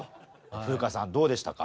風花さんどうでしたか？